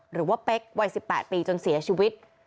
หรือว่าเป๊กวัย๑๘ปีจนเสียชีวิต